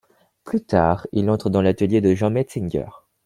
Plus tard, il entre dans l'atelier de Jean Metzinger.